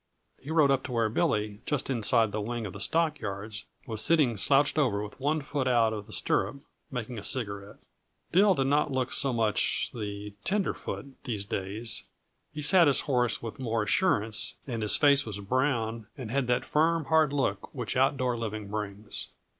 He rode up to where Billy, just inside the wing of the stockyards, was sitting slouched over with one foot out of the stirrup, making a cigarette. Dill did not look so much the tenderfoot, these days. He sat his horse with more assurance, and his face was brown and had that firm, hard look which outdoor living brings.